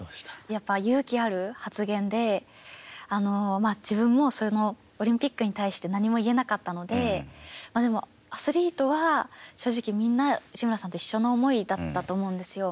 やっぱり勇気ある発言で、自分もオリンピックに対して何も言えなかったので、でも、アスリートは正直、みんな、内村さんと一緒の思いだったと思うんですよ。